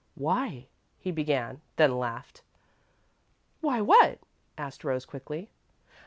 "Why?" he began, then laughed. "Why what?" asked Rose, quickly.